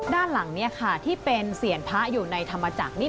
ด้านหลังที่เป็นเสียงพระอยู่ในธรรมจักร